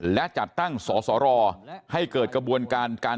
และจัดตั้งสสรให้เกิดกระบวนการการ